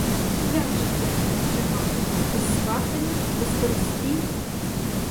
Як же це, — каже мати, — без сватання, без старостів?